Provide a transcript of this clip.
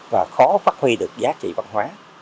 và khó phát huy được giá trị văn hóa